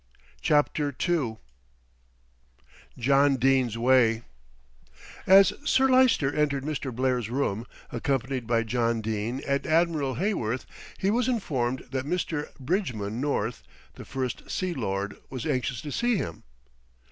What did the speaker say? CHAPTER II JOHN DENE'S WAY As Sir Lyster entered Mr. Blair's room, accompanied by John Dene and Admiral Heyworth, he was informed that Sir Bridgman North, the First Sea Lord, was anxious to see him.